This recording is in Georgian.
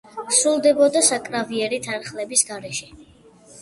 სრულდებოდა საკრავიერი თანხლების გარეშე.